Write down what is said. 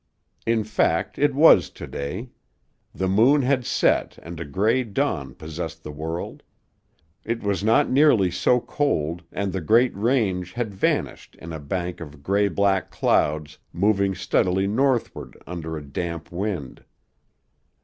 In fact it was to day. The moon had set and a gray dawn possessed the world. It was not nearly so cold and the great range had vanished in a bank of gray black clouds moving steadily northward under a damp wind.